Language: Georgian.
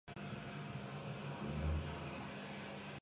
სამხრეთით ვრცელდება ჭაობიანი სავანა.